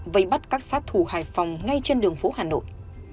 vây bắt các sát thủ hải phòng ngay trên đường phố hà nội